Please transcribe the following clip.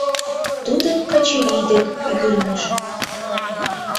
— Тудо Качырий дек пӱгырныш.